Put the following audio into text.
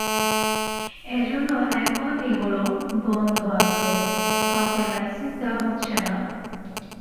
এজন্য এখন এগুলো বন্ধ আছে, কাউকে লাইসেন্স দেয়া হচ্ছে না।